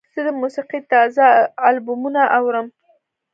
زه د موسیقۍ تازه البومونه اورم.